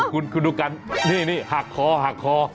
คุณคุณดูกันนี่นี่หักคอหักคอ